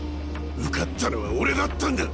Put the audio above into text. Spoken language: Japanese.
受かったのは俺だったんだ！